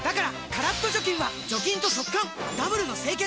カラッと除菌は除菌と速乾ダブルの清潔！